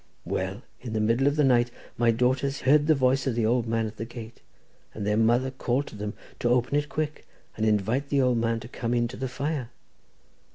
Well! in the middle of the night my daughters heard the voice of the old man at the gate, and their mother called to them to open it quick, and invite the old man to come in to the fire!